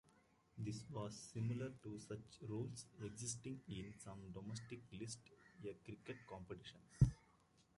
This was similar to such rules existing in some domestic List A cricket competitions.